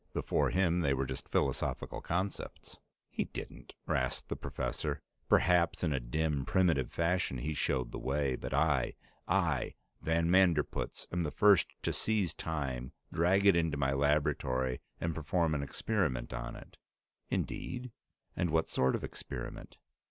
Before him they were just philosophical concepts." "He didn't!" rasped the professor. "Perhaps, in a dim, primitive fashion, he showed the way, but I I, van Manderpootz am the first to seize time, drag it into my laboratory, and perform an experiment on it." "Indeed? And what sort of experiment?"